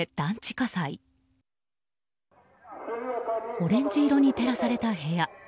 オレンジ色に照らされた部屋。